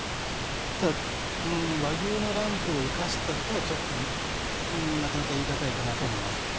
ただ和牛のランプを生かしたとはちょっとなかなか言いがたいかなとは思います